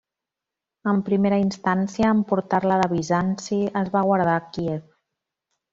En primera instància, en portar-la de Bizanci, es va guardar a Kíev.